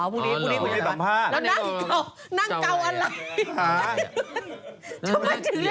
อ๋อพรุ่งนี้ก็จะสัมภาษณ์แล้วนั่งเก่าอะไร